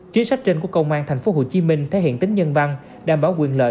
chính sách trên của công an tp hcm thể hiện tính nhân văn đảm bảo quyền lợi